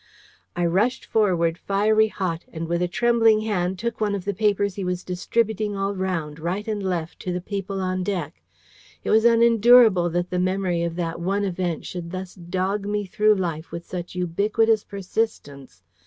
I rushed forward, fiery hot, and with a trembling hand took one of the papers he was distributing all round, right and left, to the people on deck. It was unendurable that the memory of that one event should thus dog me through life with such ubiquitous persistence.